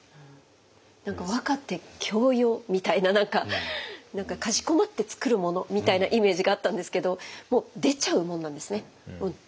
何か和歌って教養みたいなかしこまって作るものみたいなイメージがあったんですけどもう出ちゃうもんなんですね。